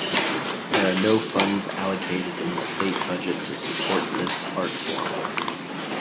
There are no funds allocated in the state budget to support this art form.